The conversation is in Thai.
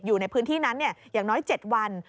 อยู่ในพื้นที่นั้นอย่างน้อย๗วัน